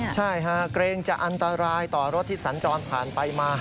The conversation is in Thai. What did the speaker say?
ใช่ค่ะเกรงจะอันตรายต่อรถที่สัญจรผ่านไปมา